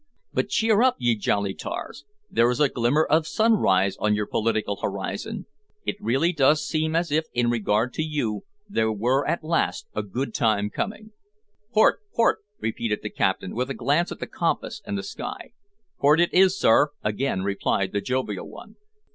But cheer up, ye jolly tars! There is a glimmer of sunrise on your political horizon. It really does seem as if, in regard to you, there were at last "a good time coming." "Port, port," repeated the captain, with a glance at the compass and the sky. "Port it is, sir," again replied the jovial one.